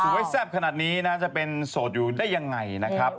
ไว้แซ่บขนาดนี้นะจะเป็นโสดอยู่ได้ยังไงนะครับ